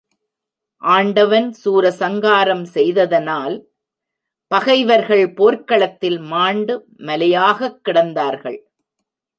ஆண்டவன் சூரசங்காரம் செய்ததனால் பகைவர்கள் போர்க்களத்தில் மாண்டு மலையாகக் கிடந்தார்கள்.